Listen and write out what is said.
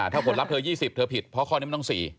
ถ้าผลลัพธเธอ๒๐เธอผิดเพราะข้อนี้มันต้อง๔